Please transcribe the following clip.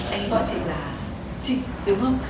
anh gọi chị là chị đúng không